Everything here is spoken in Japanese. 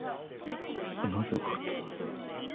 なぜ分かった。